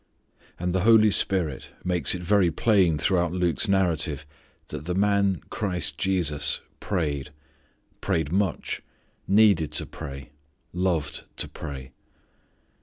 And the Holy Spirit makes it very plain throughout Luke's narrative that the man Christ Jesus prayed; prayed much; needed to pray; loved to pray.